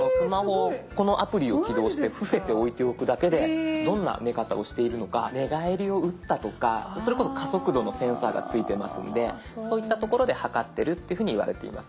このアプリを起動して伏せて置いておくだけでどんな寝方をしているのか寝返りを打ったとかそれこそ加速度のセンサーがついてますのでそういった所で測ってるっていうふうにいわれています。